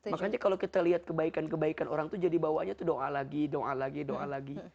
makanya kalau kita lihat kebaikan kebaikan orang itu jadi bawanya itu doa lagi doa lagi doa lagi